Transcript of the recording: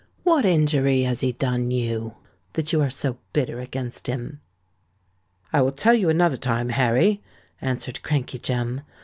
What injury has he done you, that you are so bitter against him?" "I will tell you another time, Harry," answered Crankey Jem.